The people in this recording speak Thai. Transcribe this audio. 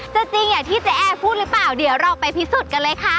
จริงอย่างที่เจ๊แอร์พูดหรือเปล่าเดี๋ยวเราไปพิสูจน์กันเลยค่ะ